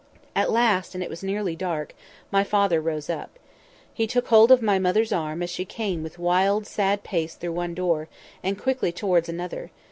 At last (and it was nearly dark), my father rose up. He took hold of my mother's arm as she came with wild, sad pace through one door, and quickly towards another.